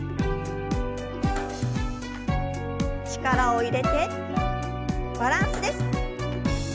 力を入れてバランスです。